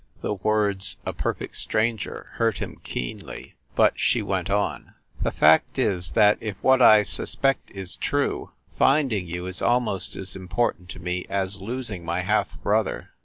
The words "a perfect stranger" hurt him keenly. But she went on. "The fact is, that if what I suspect is true, finding you is almost as important to me as losing my half brother.